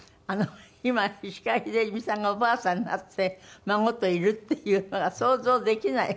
今石川秀美さんがおばあさんになって孫といるっていうのが想像できない。